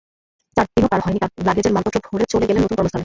চার দিনও পার হয়নি, লাগেজে মালপত্র ভরে চলে গেলেন নতুন কর্মস্থলে।